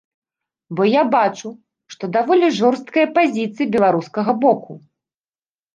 Бо я бачу, што даволі жорсткая пазіцыя беларускага боку.